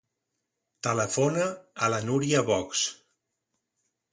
Telefona a la Núria Box.